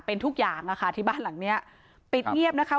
เป็นทุกอย่างอะค่ะที่บ้านหลังเนี้ยปิดเงียบนะคะ